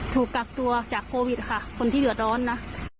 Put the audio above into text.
ถูกกักตัวจากโควิดค่ะคนที่เดือดร้อนนะ